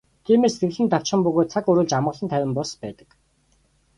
Тиймээс сэтгэл нь давчхан бөгөөд цаг үргэлж амгалан тайван бус байдаг.